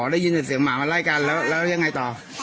ได้ยินแต่เสียงหมามาไล่กันแล้วยังไงต่อ